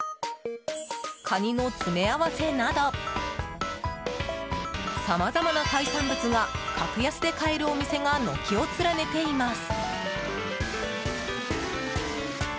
カニの詰め合わせなどさまざまな海産物が格安で買えるお店が軒を連ねています。